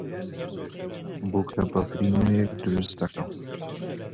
بووکەبەفرینەیەک دروست دەکەم.